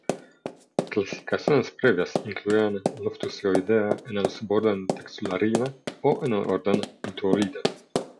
Clasificaciones previas incluían Loftusioidea en el Suborden Textulariina o en el Orden Lituolida.